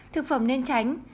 thực phẩm nên tránh